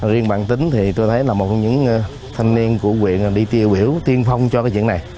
riêng bạn tín thì tôi thấy là một trong những thanh niên của quyện đi tiêu biểu tiên phong cho cái chuyện này